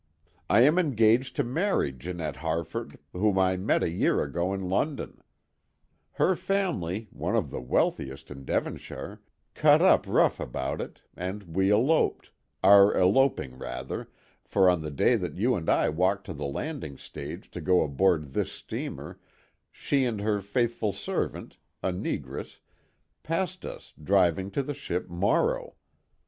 I am engaged to marry Janette Harford, whom I met a year ago in London. Her family, one of the wealthiest in Devonshire, cut up rough about it, and we eloped—are eloping rather, for on the day that you and I walked to the landing stage to go aboard this steamer she and her faithful servant, a negress, passed us, driving to the ship Morrow.